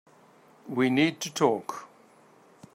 We need to talk.